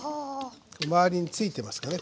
で周りに付いてますからね